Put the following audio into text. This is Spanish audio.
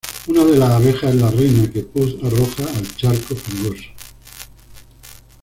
Una de las abejas es la reina que Pooh arroja el charco fangoso.